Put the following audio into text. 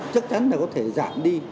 chắc chắn là có thể giảm đi